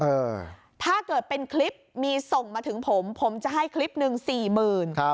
ถ้าเกิดเป็นคลิปมีส่งมาถึงผมผมจะให้คลิปหนึ่งสี่หมื่นครับ